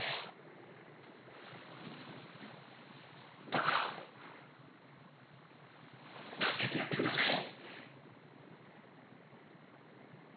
だから助けてやってください。